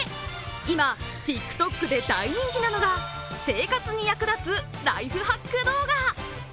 今、ＴｉｋＴｏｋで大人気なのがライフハック動画。